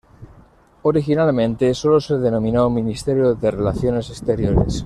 Originalmente sólo se denominó Ministerio de Relaciones Exteriores.